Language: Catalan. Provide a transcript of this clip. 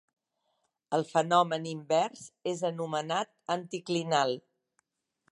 El fenomen invers és anomenat anticlinal.